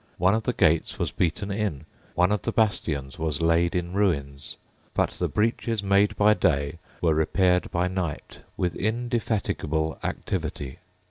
One of the gates was beaten in: one of the bastions was laid in ruins; but the breaches made by day were repaired by night with indefatigable activity.